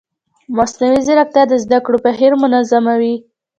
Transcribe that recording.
مصنوعي ځیرکتیا د زده کړې بهیر منظموي.